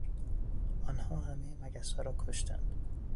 آنها همهی مگسها را کشتند.